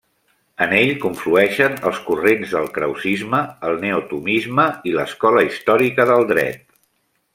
En ell conflueixen els corrents del krausisme, el neotomisme i l'escola històrica del dret.